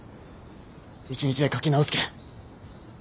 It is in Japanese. １日で描き直すけん。